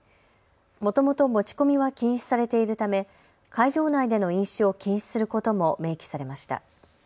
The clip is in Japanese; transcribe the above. もともと持ち込みは禁止されているため会場内での飲酒を禁止することも明記されました。